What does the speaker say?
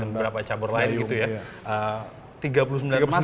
beberapa cabur lain gitu ya